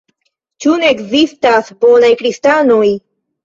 Ĉu ne ekzistas bonaj kristanoj?